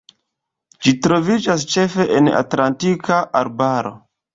Ĝi troviĝas ĉefe en Atlantika arbaro.